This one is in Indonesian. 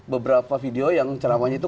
beberapa video yang ceramanya itu